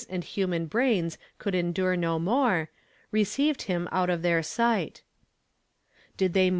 l human brains could endure no more, received him out of their sight I Did they mo